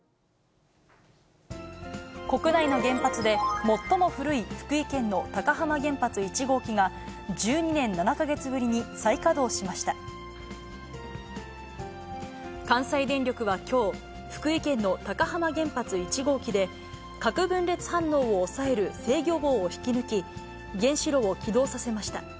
国内の原発で、最も古い福井県の高浜原発１号機が、１２年７か月ぶりに再稼働し関西電力はきょう、福井県の高浜原発１号機で、核分裂反応を抑える制御棒を引き抜き、原子炉を起動させました。